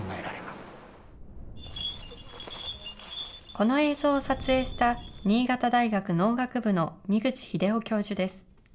この映像を撮影した、新潟大学農学部の箕口秀夫教授です。